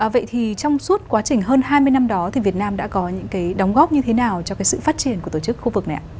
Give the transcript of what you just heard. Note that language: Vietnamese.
vậy thì trong suốt quá trình hơn hai mươi năm đó thì việt nam đã có những cái đóng góp như thế nào cho cái sự phát triển của tổ chức khu vực này ạ